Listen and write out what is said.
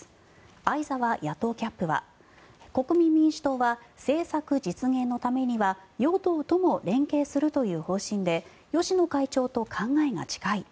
相沢野党キャップは国民民主党は政策実現のためには与党とも連携するという方針で芳野会長と考えが近い。